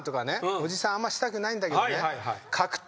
おじさんあんましたくないんだけどね。